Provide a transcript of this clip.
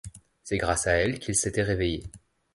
C’est grâce à elle qu’il s’était réveillé.